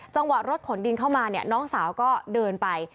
จังหวะรถขนดินเข้ามาเนี่ยน้องสาวก็เดินไป